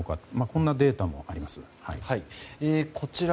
こんなデータもあります。